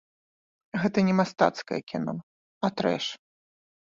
Гэта не мастацкае кіно, а трэш.